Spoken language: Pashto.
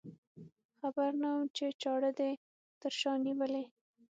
خبر نه وم چې چاړه دې تر شا نیولې.